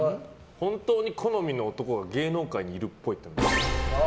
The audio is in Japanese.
本当に好みの男が芸能界にいるっぽい。